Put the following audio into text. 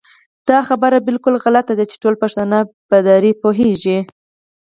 دا خبره بالکل غلطه ده چې ټول پښتانه په دري پوهېږي